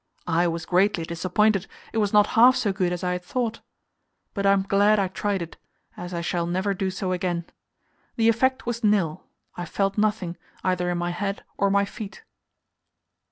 I was greatly disappointed; it was not half so good as I had thought. But I am glad I tried it, as I shall never do so again. The effect was nil; I felt nothing, either in my head or my feet.